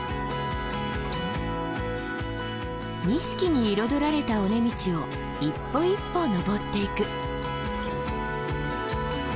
錦に彩られた尾根道を一歩一歩登っていく。